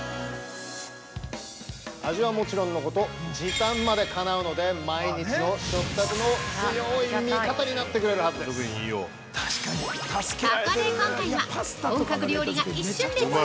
味はもちろんのこと、時短までかなうので、毎日の食卓の強い味方になってくれるはずです。